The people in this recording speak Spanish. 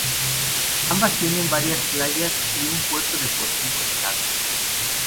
Ambas tienen varias playas y un puerto deportivo en el lago.